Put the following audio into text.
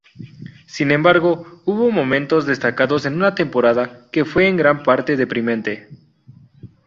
Sin embargo, hubo momentos destacados en una temporada que fue en gran parte deprimente.